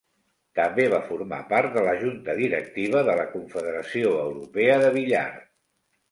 També va formar part de la Junta Directiva de la Confederació Europea de Billar.